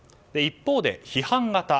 一方で批判型